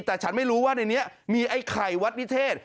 แต่ฉันไม่รู้ว่าในนี้มีไอ้ไข่วัดนิเทศ